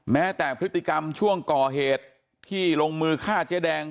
แม้แต่พฤติกรรมช่วงก่อเหตุที่ลงมือฆ่าเจ๊แดง